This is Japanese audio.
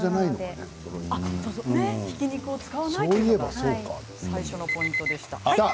ひき肉を使わないっていうのが最初のポイントで。